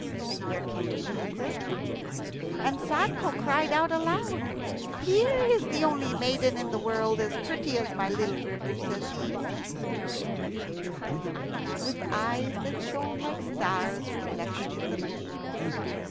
There came in the thirtieth, and Sadko cried out aloud. "Here is the only maiden in the world as pretty as my little river!" says he. And she looked at him with eyes that shone like stars reflected in the river.